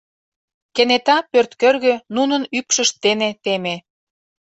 Кенета пӧрт кӧргӧ нунын ӱпшышт дене теме.